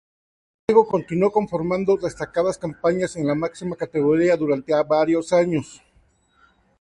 Luego continuó conformando destacadas campañas en la máxima categoría durante varios años.